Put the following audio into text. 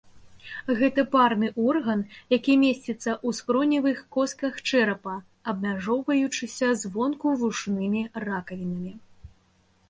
Гэта парны орган, які месціцца ў скроневых костках чэрапа, абмяжоўваючыся звонку вушнымі ракавінамі.